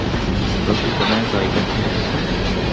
Rewşeke me ya acîl heye.